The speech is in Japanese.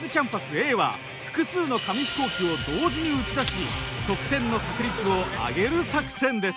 Ａは複数の紙飛行機を同時に打ち出し得点の確率を上げる作戦です。